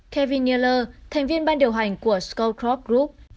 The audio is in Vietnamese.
kevin yeller thành viên ban điều hành của skullcrop group